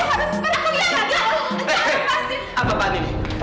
eh eh apaan ini